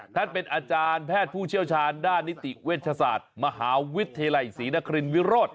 ท่านเป็นอาจารย์แพทย์ผู้เชี่ยวชาญด้านนิติเวชศาสตร์มหาวิทยาลัยศรีนครินวิโรธ